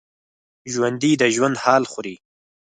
ژوندي د ژوند حال خوري